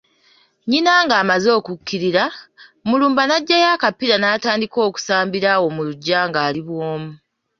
Nnyina ng’amaze okukkirira, Mulumba najjayo akapiira natandika okusambira awo mu luggya ng’ali bwomu.